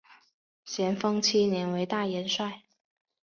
咸丰七年为大元帅。